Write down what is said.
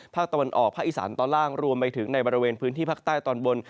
ภาคตะวันออกภาคอีสานตอนล่างรวมไปถึงในบริเวณพื้นที่ภาคใต้ตอนบน